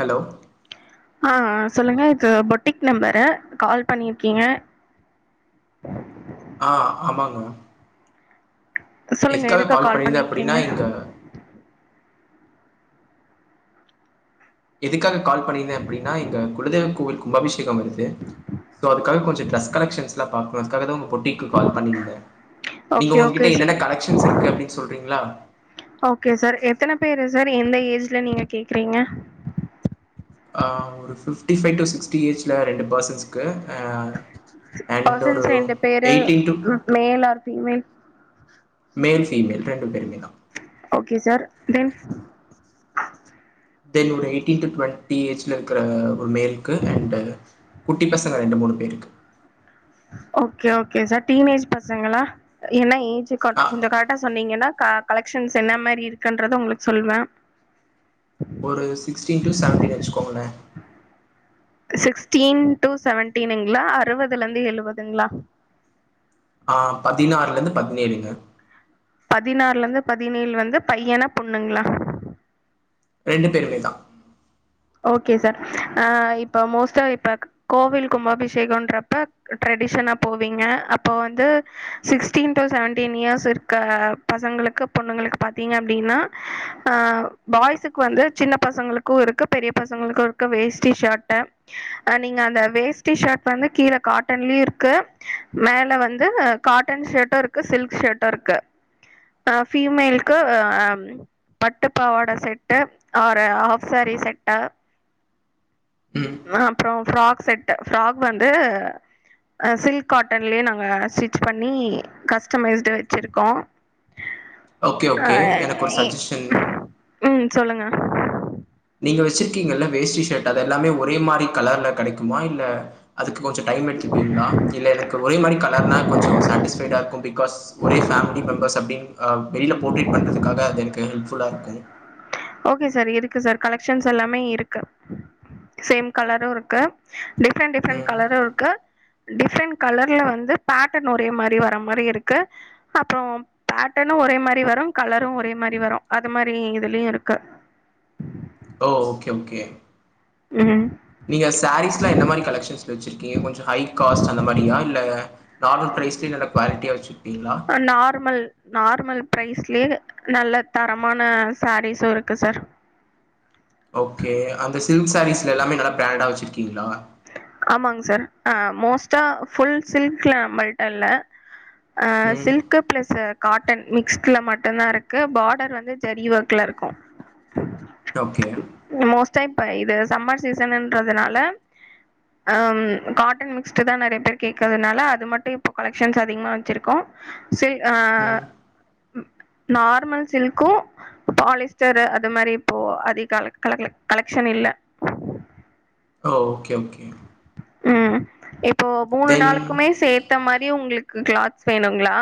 Hello ஆ ஆ சொல்லுங்க இது பொட்டிக் நெம்பரு கால் பண்ணியிருக்கீங்க ஆ ஆமாங்க எதுக்காக கால் பண்ணியிருந்தே அப்டின்னா எங்க எதுக்காக கால் பண்ணிருந்தே அப்டின்னா எங்க குலதெய்வ கோவில் கும்அபிஷேகம் வருது சோ அதுக்காக கொஞ்சோ டிரஸ் கலக்ஷன்ஸ்லா பாக்கறோ அதுக்காகதா உங்க பொட்டிக் கு கால் பண்ணியிருந்த நீங்க ஓகே ஓகே ஒங்கிட்ட சார் என்னென்ன கலக்ஷன்ஸ் இருக்கு அப்டின் சொல்றீங்களா ஓகே சார் எத்தன பேரு சார் எந்த ஏஜ்ல நீங்க கேக்கறீங்க ஆ ஒரு ஃபிஃப்டி ஃபைவ் டூ சிக்ஸ்ட்டி ஏஜ்ல ரண்டு பர்சன்ஸ்க்கு ஆ அண்டு ஒரு எயிட்டின் டூ ம் male or female male female ரெண்டு பேருமே தா ஓகே சார் தென் தென் ஒரு எயிட்டீன் டூ டுவண்ட்டி ஏஜ் ல இருக்கிறவங்க ஒரு மேலுக்கு அண்டு குட்டி பசங்க ரெண்டு மூணு பேருக்கு okay okay sir teen age பசங்களா என்ன ஏஜி கட் ஆ கொஞ்சோ கரெக்ட்டா சொன்னீங்கன்னா க கலக்ஷன்ஸ் என்ன மாரி இருக்குன்றத உங்களுக்கு சொல்வ ஒரு சிக்ஸ்டீன் டூ செவன்டீன் வச்சிக்கோங்களா சிக்ஸ்டீன் டூ செவன்டீன்ங்குளா அறுவதுலருந்து எழுவதுங்கிளா ஆ பதினாறுலருந்து பதினேழுங்க பதினாறுலருந்து பதினேழு வந்து பையனா பொண்ணுங்களா ரெண்டு பேருமே தா ஓகே சார் ஆ இப்ப மோஸ்ட்டா இப்ப கோவில் கும்பபிஷேகன்றப்ப டிரடிஷனா போவீங்க அப்போ வந்து சிக்ஸ்டீன் டூ செவன்டீன் இயர்ஸ் இருக்க பசங்களுக்கு பொண்ணுங்களுக்கு பாத்தீங்க அப்டின்னா ஆ பாய்ஸுக்கு வந்து சின்ன பசங்களுக்கும் இருக்கு பெரிய பசங்களுக்கும் இருக்கு வேஸ்ட்டி ஷட்ட நீங்க அந்த வேஸ்ட்டி ஷர்ட் வந்து கீழ காட்டன்லயு இருக்கு மேல வந்து காட்டன் ஷேட்டு இருக்கு சில்க் ஷேட்டு இருக்கு ஆ ஃபீமேல்க்கு பட்டு பாவாட செட்டு ஆரு ஆஃப் சாரீ செட்டு ம். ஆ அப்றோ ஃப்ராக் செட்டு ஃப்ராக் வந்து அ சில்க் காட்டன்லே நாங்க ஸ்டிச் பண்ணி கஸ்டமைஸ்டு வச்சுருக்கோ ஓகே, ஆ ஓகே. எனக்கு ஒரு இ சஜஷன். ம் சொல்லுங்க நீங்க வச்சிருக்கீங்கள வேஸ்ட்டி சட்ட அது எல்லாமே ஒரே மாரி கலர்ல கெடைக்குமா இல்ல அதுக்கு கொஞ்சோ டைம் எடுத்துப்பீங்ளா இல்ல எனக்கு ஒரே மாரி கலர்னா கொஞ்சோ சாட்டிஸ் ஃபைடா பிகாஸ் ஒரே ஃபேம்லி மெம்பர்ஸ் அப்டின் ஆ வெளில போட்ரைட் பண்றதுக்காக அது எனக்கு ஹெல்ப் ஃபுல்லா இருக்கு ஓகே சார் இருக்கு சார் கலெக்ஷன்ஸ் எல்லாமே இருக்கு சேம் கலரூ இருக்கு டிஃப்ரெண்ட் டிஃப்ரெண்ட் ம். கலரூ இருக்கு டிஃப்ரெண்ட் கலர்ல வந்து பேட்டன் ஒரே மாரி வர மாரியு இருக்கு அப்றோ பேட்டனு ஒரே மாரி வரு கலரு ஒரே மாரி வரு அது மாரி இதுலயு இருக் கு ஓ ஓகே ஓகே ம் நீங்க சாரீஸ்லா எந்த மாரி கலெக்ஷன்ஸ் வச்சிருக்கீங்க கொஞ்சோ ஹை காஸ்ட் அந்த மாரியா இல்ல நார்மல் பிரைஸ்லே நல்லா குவாலிட்டியா வச்சுருப்பீங்ளா நார்மல் நார்மல் பிரைஸ்லே நல்ல தரமான சாரீஸு இருக்கு சார் ஓகே அந்த சில்க் சாரீஸ்ல எல்லாமே நல்லா பிரண்டா வச்சுருக்கீங்ளா ஆமாங் சார் அ மோஸ்ட்டா ஃபுல் சில்க்ல நம்மகிட்ட இல்ல ஆ ம் சில்க்கு பிளஸு காட்டன் மிக்ஸ்ட்ல மட்டுந்தா இருக்கு பாடர் வந்து ஜரி ஒர்க்குல இருக்கு ஓகே மோஸ்ட்டா இப்ப இது சம்மர் சீசனுன்றதுனால அம் காட்டன் மிக்ஸ்ட்டுதா நெறைய பேர் கேக்கற்துனால அது மட்டு இப்போ கலெக்ஷன்ஸ் அதிகுமா வச்சசிருக்கோ செரி ஆ ம் நார்மல் சில்க்கூ பாலிஸ்டரு அத மாரி இப்போ அதி கலத் கலர்ல கலெக்ஷன் இல்ல ஓ ஓகே ஓகே ம் இப்போ மூணு தென் நாளுக்குமே சே த்த மாரி உங்ளுக்கு கிளாத்ஸ் வேணுங்ளா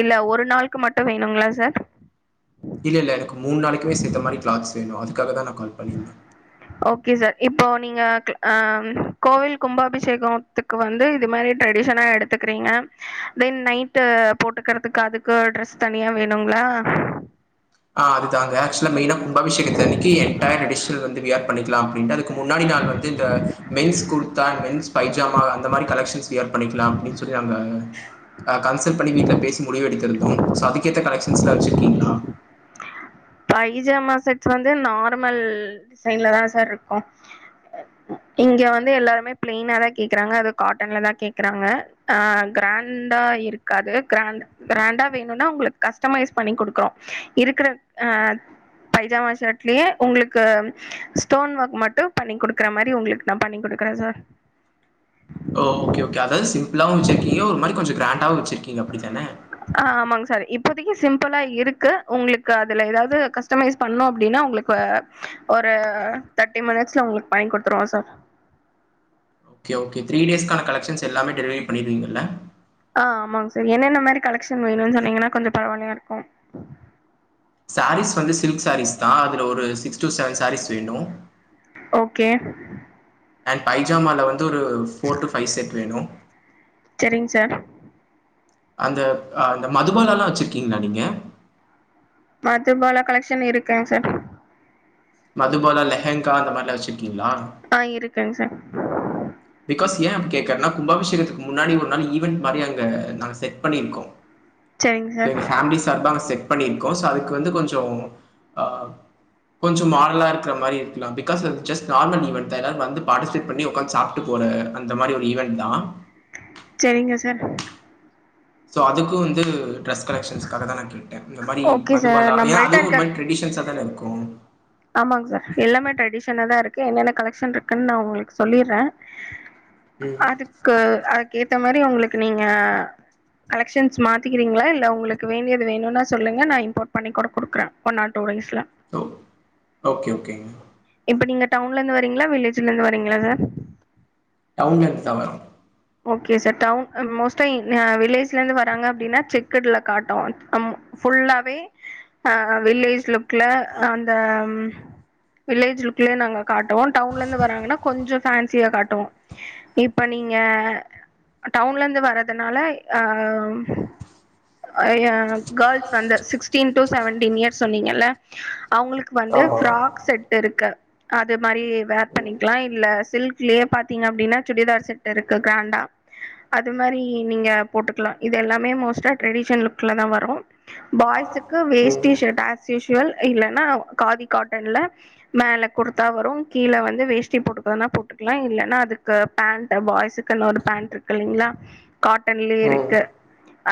இல்ல ஒரு நாள்க்கு மட்டு வேணுங்ளா சார் இல்ல இல்ல எனக்கு மூணு நாளைக்குமே சேத்த மாரி கிளாத்ஸ் வேணு அதுக்காகதா நா கால் பண்ணிர்ந்த ஓகே சார் இப்போ நீங்க க் அம் கோவில் கும்பாபிஷேகோ த்துக்கு வந்து இது மாரி டிரெடிஷனா எடுத்துக்குறீங்க தென் நைட்டு போட்டுக்கறத்துக்கு அதுக்கு டிரெஸ் தனியா வேணுங்ளா ஆ அதுதாங்க ஆக்சுலா மெய்னா கும்பாபிஷேகத்தன்னிக்கி என்டைர் டிரடிஷ்னல் வந்து வியர் பண்ணிக்லா அப்டின்ட்டு அதுக்கு முன்னாடி நாள் வந்து இந்த மென்ஸ் குர்த்தா மென்ஸ் பைஜாமா அந்த மாரி கலெக்ஷன்ஸ் வியர் பண்ணிக்லா அப்டின் சொல்லி நாங்க அ கன்சல்ட் பண்ணி வீட்ல பேசி முடிவு எடுத்திருந்தோ ஸோ அதுக்கேத்த கலெக்ஷன்ஸ்லா வச்சுருக்கீங்ளா பைஜாமா செட்ஸ் வந்து நார்மல் டிசைன்ல தா சார்ருக்கு இங்க வந்து எல்லாருமே பிளைன்னாதா கேக்குறாங்க அது காட்டன்ல தா கேக்குறாங்க ஆ கிராண்டா இருக்காது கிராண்டு கிராண்டா வேணுனா உங்குளுக்கு கஸ்டமைஸ் பண்ணிக் குடுக்குறோ இருக்குற ஆ பைஜாமா ஷேட்லியே உங்ளுக்கு ஸ்டோன் ஒர்க் மட்டு பண்ணிக் குடுக்குற மாரி உங்ளுக்கு நா பண்ணிக் குடுக்கறே சார் ஒ ஓகே ஓகே அதாவது சிம்ப்ளாவு ஒரு செக்கிங் ஒரு மாரி கொஞ்சோ கிராண்டாவு செக்கிங் அப்டித்தான அ ஆமாங்க சார் இப்போதைக்கு சிம்பளா இருக்கு உங்ளு க்கு அதுல ஏதாவது கஸ்டமைஸ் பண்ணோ அப்டின்னா உங்களுக்கு ஒரு த ட்டி மினிட்ஸ்ல உங்ளுக்கு பண்ணிக் குடுத்துருவோ சார் ஓகே ஓகே த்ரீ டேஸ்க்கான கலெக்க்ஷன்ஸ் எல்லாமே டெலிவரி பண்ணிடுவீங்கல்ல அ ஆமாங்க சார் என்னென்ன மாரி கலெக்ஷன் வேணுன்னு சொன்னீங்ன்னா கொஞ்சோ பரவாயில்லையா இருக்கோ சாரீஸ் வந்து சில்க் சாரீஸ் தா அதுல ஒரு சிக்ஸ் டூ செவன் சாரீஸ் வேணு ஓகே அண்ட் பைஜாமால வந்து ஒரு ஃபோர் டூ ஃபை செட் வேணு செரிங்க சார் அந்த அந்த மதுபாலாலா வச்சிருக்கீங்ளா நீங்க மதுபாலா கலெக்ஷன் இருக்குங் சார் மதுபாலா லெஹெங்கா அந்த மாரிலா வெச்சிருக்கீங்ளா அ இருக்குங் சார் பிகாஸ் ஏ அப்டி கேக்றன்னா கும்பாபிஷேகத்துக்கு முன்னாடி ஒரு நாள் ஈவெண்ட் மாரி அங்க நாங்க செ பண்ணியிருக்கோ செரிங்க சார் எங்க ஃபேமிலி சார்பா அங்க செட் பண்ணியிருக்கோ ஸோ அதுக்கு வந்து கொஞ்சோ அ கொஞ்சோ மாடலா இருக்ற மாரி பிகாஸ் அது ஜஸ்ட் நார்மல் ஈவென்ட் தா எல்லாரு வந்து பார்டிசிபேட் பண்ணி ஒக்காந்து சாப் விட்டுப் போற அந்த மாரி ஒரு ஈவென்ட் தா சரிங்க சார் சோ அதுக்கு வந்து ட்ரஸ் கலெக்ஷன்ஸ்க்காக தா நா கேட்ட இந்த மாரி ஓகே சார் மதுபாலா ஏ நம்மள்ட்ட அதுவு ஒரு மாரி ட்ரெடிஷன்ஸ்ஸா தான இருக்கு ஆமாங் சார் எல்லாமே ட்ரடிஷனா தா இருக்கு என்னென்ன கலெக்ஷன் இருக்குன்னு நா உங்களுக்கு சொல்லிறே ம். அதுக்கு அதுக்கேத்த மாரி உங்களுக்கு நீங்க கலெக்ஷன்ஸ் மாத்திக்கிறீங்ளா இல்ல உங்களுக்கு வேண்டியது வேணுனா சொல்லுங்க நா இம்போர்ட் பண்ணி கூட குடுக்குற ஒன் ஆர் டூ டேஸ்ல ஒ ஓகே ஓகேங்க இப்போ நீங்கடவுன்ல இருந்து வரீங்களா வில்லஜ்ல இருந்து வரீங்களா சார் டவுன்ல்ல இருந்து தா வரோ ஓகே சார் டவுன் மோஸ்டா அ வில்லேஜ்ல இருந்து வராங்க அப்டின்னா செக்குடுல காட்டு ம் ஃபுல்லாவே அ வில்லேஜ் லுக்ல அந்த வில்லஜ் லுக்லேய நாங்க காட்டுவோ டவுன்ல இருந்து வராங்கனா கொஞ்சம் பேன்சியா காட்டுவோ இப்ப நீங் ஏ டவுன்ல இருந்து வர்ரதுனால அ [unintelligible] கேர்ள்ஸ் வந்து சிக்ஸ்டீன் டு செவன்டீன் இயர்ஸ் சொன்னீங்கல்ல அவங்களுக் வந்து ஆமா. ப்ராக் செட் இருக்கு அது மாரி வேர் ம், பண்ணிக்கலா இல்ல சில்க் இதுலயே பாத்தீங்க அப்டின்னா சுடிதார் செட் இருக்கு கிராண்டா அது மாரி நீங்க போட்டுக்கலா இது எல்லாமே மோஸ்ட்டா ட்ரெடிஷன் லுக்ல தா வரு பாய்ஸுக்கு ம், வேஸ்டிஷர்ட் ஆஸ்யூஷுவல் இல்லன்னா காதி காட்டன்ல மேலே குர்த்தா வரு கீழே வந்து வேஷ்டி போட்டுக்கதுனா போட்டுக்கலா இல்லன்னா அதுக்கு பேன்ட் பாய்ஸுக்குல்லா ஒரு பேண்ட் இருக்கு இல்லைங்களா காட்டன்லயே ம், இருக்கு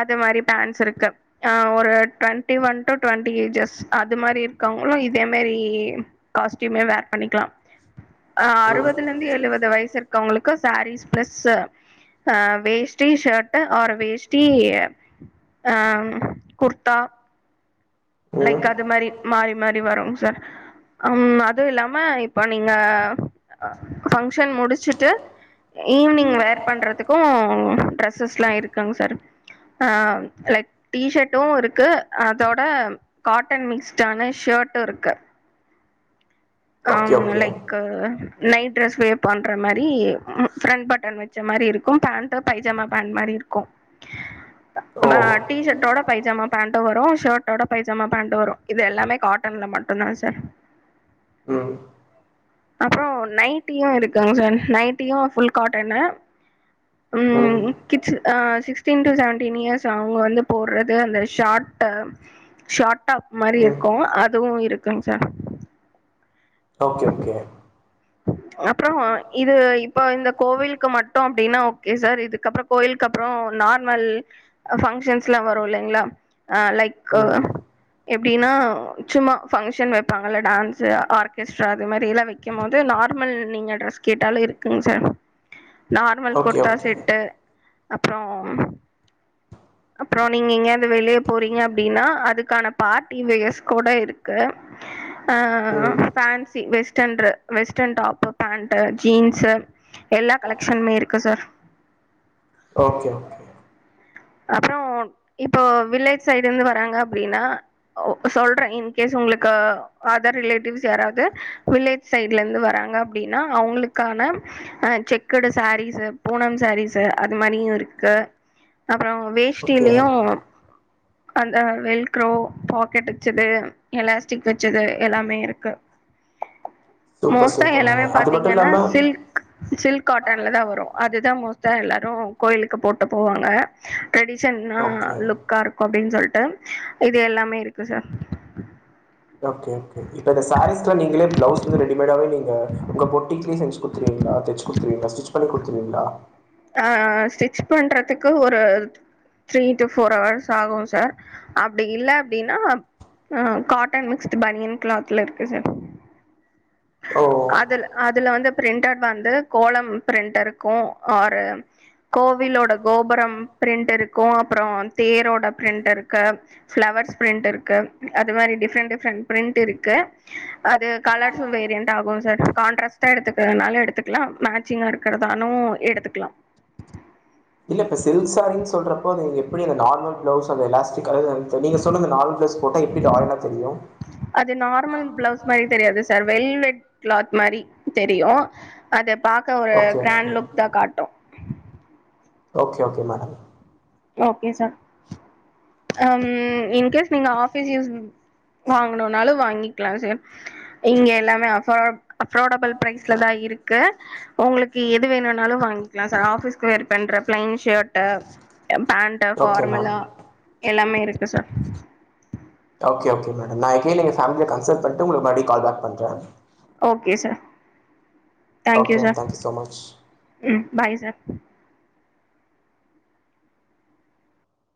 அது மாரி பேன்ஸ் இருக்கு அ ஒரு டொவெண்ட்டி டு டொவெண்ட்டி ஏஜஸ் அது மாரி இருக்கரவங்களு இதே மாரி காஸ்ட்யூமே வர் பண்ணிக்கலா அ ம், அறுவதுல இருந்து எழுவது வயசு இருக்கவங்களுக்கு சாரிஸ் ப்ளஸ்ஸு அ வேஷ்டி ஷர்ட்டு ஆர் வேஷ்டி ஆ குர்த்தா லைக் ம். அது மாரி மாறி மாறி வருங்க சார் அம் அது இல்லாம இப்ப நீங்க ஃபங்ஷன் முடுச்சுட்டு ஈவ்னிங் வேர் பண்றத்துக்கு ட்ரெஸ் ஸஸ்லா இருக்குங்க சார் அ லைக் டீஷட்டு இருக்கு அதோட காட்டன் மிக்ஸ்டான ஷர்ட்டு இருக்கு ஆ ஓகே, ஓகே. லைக் அ நைட் ட்ரெஸ் வே பண்ற மாரி ஃப்ரன்ட் பட்டன் வச்ச மாரி இருக்கு பேண் ட்டு பைஜாமா பேண்ட் மாரி இருக்கு ஓ! ப டீஷட்டோட பைஜாமா பேண்ட்டு வரு ஷட்டோட பைஜாமா பேண்ட்டு வரு இது எல்லாமே காட்டன்ல மட்டுந்தா சார் ம் அப்றோ நைட்டியு இருக்குங்க சார் நைட்டியு ஃபுல் காட்டனு ம் கிட்ஸு ஆ சிக்ஸ்டீன் டு செவன்டீன் இயர்ஸ் அவுங்க வந்து போர்றது அந்த ஷாட் ட ஷாட் டாப் மாரி ம். இருக்கு அதுவு இருக்குங் சார் ஓகே ஓகே அப்றோ இது இ ப்ப இந்த கோவில்க்கு மட்டு அப்டின்னா ஓகே சார் இதுக்கப்றோ கோவில்க்கப்றோ நார்மல் ஃபங்ஷன்ஸ்லா வரு இல்லெங்ளா அ லைக்கு ம் எப்டின்னா சும்மா ஃபங்ஷன் வப்பாங்கல்ல டான்ஸு ஆர்கெஸ்ட்ரா அது மாரிலா வக்கிம்மோ து நார்மல் நீங்க ட்ரெஸ் கேட்டாலு இருக்குங் sir normal okay kurta okay set அப்றோ அப்றோ நீங்க எங்யாது வெளிய போறீங்க அப்டின்னா அதுக்கான பார்ட்டி வியஸ் கூட இருக்கு அ ம் ஃபேன்சி வெஸ்டன் ட்ர வெஸ்டன் டாப்பு பேண்ட்டு ஜீன்ஸு எல்லா கலெக்ஷன்மே இருக்கு சார் ஓகே ஓகே அப்றோ இப்போ வில்லேஜ் சைடுந்து வராங்க அப்டின்னா ஒ சொல்றே இன்கேஸ் உங்ளுக்கு அதர் ரிலேட்டிவ்ஸ் யாராவ்து வில்லேஜ் சைட்லெந்து வராங்க அப்டின்னா அவுங்களுக்கான ஆ செக்குட் சாரீஸு பூனம் சாரீஸு அது மாரியு இருக்கு அப்றோ ஓகே வேஷ்டீலயு அந்த வெல் க்ரோ பாக்கெட் வச்சது எலாஸ்டிக் வச்சது எல்லாமே இருக்கு சூப்பர் மோஸ்டா எல்லாமே சூப்பர்ங்க அது மட்டு பாத்தீங்கன்னா இல்லாம சில் க் சில்க் காட்டன்ல தா வரு அதுதா மோஸ்ட்டா எல்லாரு கோயிலுக்கு போட்டு போவாங்க ட்ரெடிஷன்னா ஓகே லுக்கா இருக்கு அப்டின் சொல்ட்டு இது எல்லாமே இருக்கு சார் ஓகே ஓகே இப்ப இந்த சாரீஸ்லா நீங்களே பிளவுஸ் வந்து ரெடிமேடாவே நீங்க உங்க பொட்டிக்லே செஞ்சு குத்துருவிங்ளா தச்சு குடுத்துருவிங்ளா ஸ்டிச் பண்ணி குடுத்துருவிங்ளா? ஆ ஸ்டிச் பண்றத்துக்கு ஒரு த்ரீ டு ஃபோர் அவர்ஸ் ஆகு சார் அப்டி இல்ல அப்டின்னா ஆ காட்டன் மிக்ஸ்டு பனியன் கிளாத்ல இருக்கு சார் ஓ அதுல் அதுல வந்து பிரிண்டட் வந்து கோலம் பிரிண்ட் இருக்கு ஆரு கோவிலோட கோபுரம் பிரிண்ட் இருக்கு அப்புறோ தேரோட பிரிண்ட் இருக்கு ஃப்ளவர்ஸ் பிரிண்ட் இருக்கு அது மாரி டிஃப்ரெண்ட் டிஃப்ரெண்ட் பிரிண்ட் இருக்கு அது கலர்ஸு வேரியன்ட் ஆகு சார் கான்ட்ரஸ்ட்டா எடுத்துக்குறதுனால எடுத்துக்லா மே ச்சிங்கா இருக்கிறதானூ எடுத்துக்லாம் இல்ல இப்ப சில்க்சேரின் சொல்றப்போ நீங்க எப்டி அந்த நார்மல் ப்ளவுஸ் அந்த எலாஸ்டிக்ல அது நீங்க சொன்ன அந்த நார்மல் ப்ளவுஸ் போட்டா எப்டி ராயல்லா தெரியு அது நார்மல் ப்ளவுஸ் மாரி தெரியாது சார் வெல்வெட் க்ளாத் மாரி தெரியு அத பாக்க ஒரு ஓகே ஓகே கிராண்ட் லுக் தா காட் okay okay madam okay sir um in case நீங்க ஆஃபீஸ் யூஸ் வாங்குனுனாலு வாங்கிக்லா சார் இங்க எல்லாமே அஃபா அஃபார்டபள் பிரைஸ்ல தா இருக்கு உங்களுக்கு எது வேணுனாலு வாங்கிக்லா சார் ஆஃபிஸ்க்கு வேர் பண்ற ப்ளைன் ஷேர்ட்டு எ‌ பேண்ட்டு ஓகே மேம் ஃபார்மலா எல்லாமே இருக்கு சார் ஓகே ஓகே மேடம் நா கேளுங்க ஃபேமிலிய கன்சல்ட பண்ட்டு உங்ளுக்கு மறுபடியு கால் பேக் பண்ற okay sir thank you sir ம் பாய் சார்